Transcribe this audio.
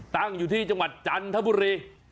ตั้งอยู่ที่จังหวัดจันทบุรี